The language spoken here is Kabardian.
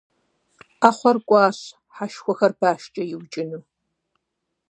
Ӏэхъуэр кӀуащ, хьэшхуэхэр башкӀэ иукӀыну.